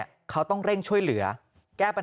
ตอนนี้ขอเอาผิดถึงที่สุดยืนยันแบบนี้